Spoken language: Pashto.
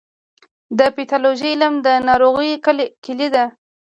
د پیتالوژي علم د ناروغیو کلي ده.